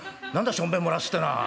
しょんべん漏らすってのは。